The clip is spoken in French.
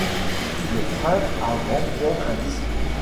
Le frein avant perd un disque.